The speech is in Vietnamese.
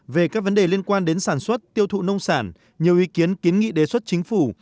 về các vấn đề liên quan đến sản xuất tiêu thụ nông sản nhiều ý kiến kiến nghị đề xuất chính phủ